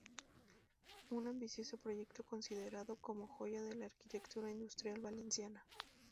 Un ambicioso proyecto considerado como joya de la arquitectura industrial Valenciana.